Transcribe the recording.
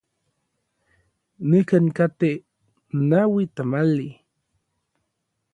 Nikan katej naui tamali.